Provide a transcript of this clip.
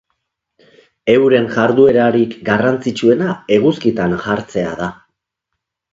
Euren jarduerarik garrantzitsuena eguzkitan jartzean da.